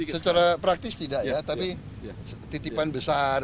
secara praktis tidak ya tapi titipan besar